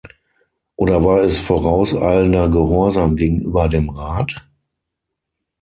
Oder war es vorauseilender Gehorsam gegenüber dem Rat?